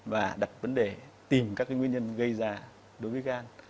và đặt vấn đề tìm các nguyên nhân gây ra đối với gan